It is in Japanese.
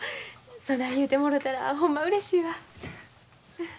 そない言うてもろたらほんまうれしいわ。